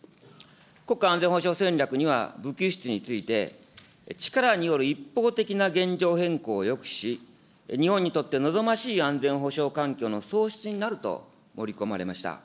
国家安全保障戦略には武器輸出について、力による一方的な現状変更を抑止し、日本にとって望ましい安全保障環境の喪失になると盛り込まれました。